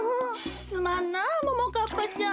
すまんなももかっぱちゃん。